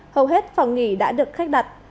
hầu hết phòng nghỉ đã được khách đặt